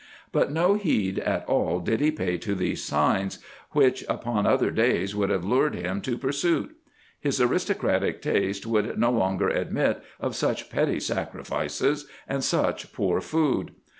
But no heed at all did he pay to these signs, which upon other days would have lured him to pursuit. His aristocratic taste would no longer admit of such petty sacrifices and such poor food.